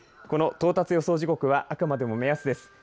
この到達予想時刻はあくまでも目安です。